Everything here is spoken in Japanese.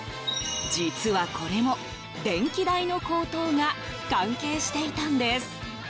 実は、これも電気代の高騰が関係していたんです。